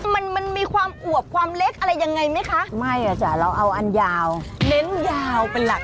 มันมันมีความอวบความเล็กอะไรอย่างไรไหมคะ